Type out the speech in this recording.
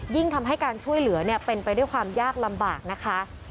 ทำให้การช่วยเหลือเป็นไปด้วยความยากลำบากนะคะ